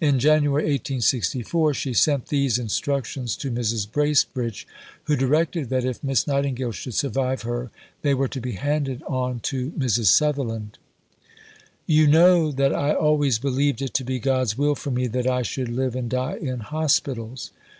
In January 1864 she sent these instructions to Mrs. Bracebridge, who directed that if Miss Nightingale should survive her they were to be handed on to Mrs. Sutherland: You know that I always believed it to be God's will for me that I should live and die in Hospitals.